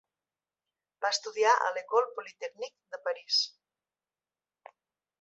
Va estudiar a l'Ecole Polytechnique de París.